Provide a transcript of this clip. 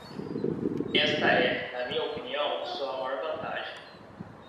Esta é, na minha opinião, sua maior vantagem.